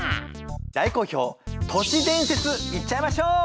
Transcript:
大好評年伝説いっちゃいましょう！